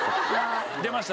出ました。